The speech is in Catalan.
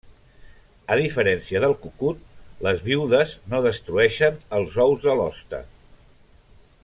A diferència del cucut, les viudes no destrueixen els ous de l'hoste.